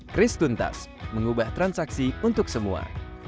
chris tuntas mengubah transaksi untuk semua